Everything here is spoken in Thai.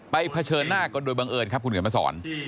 ไปเผชิญหน้าก่อนด้วยบังเอิญครับคุณเหงือนพระสร